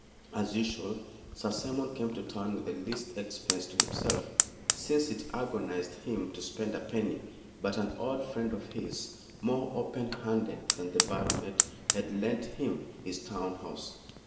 As usual, Sir Simon came to town with the least expense to himself, since it agonized him to spend a penny. But an old friend of his, more open handed than the baronet, had lent him his town house.